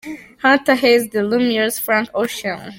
Hunter Hayes The Lumineers Frank Ocean.